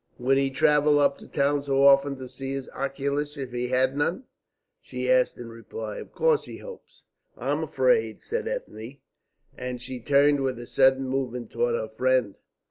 "Would he travel up to town so often to see his oculist if he had none?" she asked in reply. "Of course he hopes." "I am afraid," said Ethne, and she turned with a sudden movement towards her friend.